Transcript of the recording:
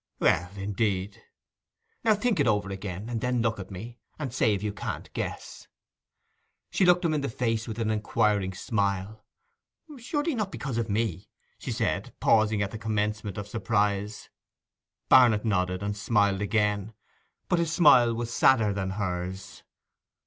'Well, indeed! Now think it over again, and then look at me, and say if you can't guess?' She looked him in the face with an inquiring smile. 'Surely not because of me?' she said, pausing at the commencement of surprise. Barnet nodded, and smiled again; but his smile was sadder than hers.